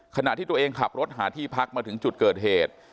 ขณะที่ตัวเองขับรถหาที่พักมาถึงจุดเกิดเหตุ